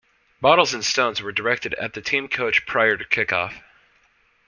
Bottles and stones were directed at the team coach prior to kick-off.